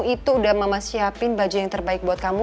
itu udah mama siapin baju yang terbaik buat kamu